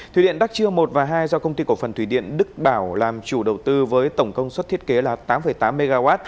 thủy điện đắc chưa một và hai do công ty cổ phần thủy điện đức bảo làm chủ đầu tư với tổng công suất thiết kế là tám tám mw